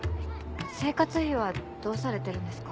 生活費はどうされてるんですか？